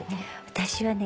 私はね